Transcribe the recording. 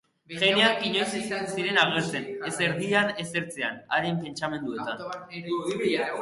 Geneak inoiz ez ziren agertzen, ez erdian ez ertzean, haren pentsamenduetan.